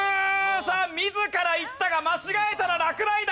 さあ自らいったが間違えたら落第だ。